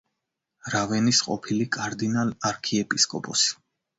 რავენის ყოფილი კარდინალ–არქიეპისკოპოსი.